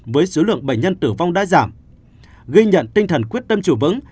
với số lượng bệnh nhân tử vong đã giảm ghi nhận tinh thần quyết tâm chủ vững